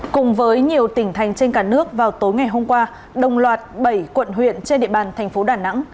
cùng với nhiều tỉnh thành trên cả nước vào tối ngày hôm qua đồng loạt bảy quận huyện trên địa bàn thành phố đà nẵng